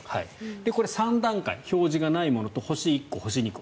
これ、３段階表示がないものと星１個、星２個。